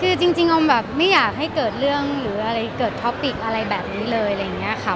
คือจริงออมแบบไม่อยากให้เกิดเรื่องหรืออะไรเกิดท็อปปิกอะไรแบบนี้เลยอะไรอย่างนี้ค่ะ